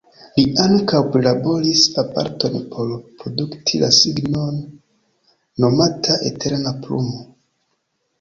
Li ankaŭ prilaboris aparaton por produkti la signon, nomata „eterna plumo”.